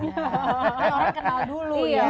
orang kenal dulu ya